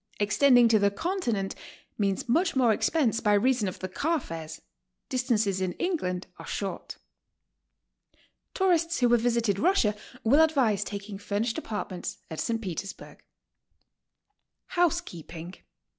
Extending to the Continent means much more expense by reason of the car fares; distances in England are short. Tourists who have visited Russia will advise taking fur nished apartments at St. Petersburg. HOUSEKEEPING.